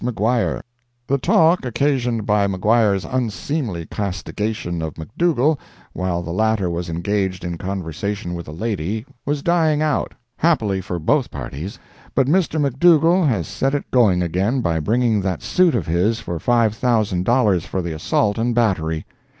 MAGUIRE The talk occasioned by Maguire's unseemly castigation of Macdougall, while the latter was engaged in conversation with a lady, was dying out, happily for both parties, but Mr. Macdougall has set it going again by bringing that suit of his for $5,000 for the assault and battery.